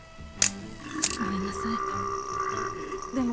ごめんなさいでも。